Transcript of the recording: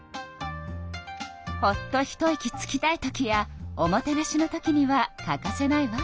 ほっと一息つきたいときやおもてなしのときには欠かせないわ。